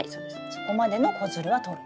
そこまでの子づるはとる。